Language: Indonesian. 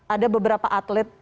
ada beberapa atlet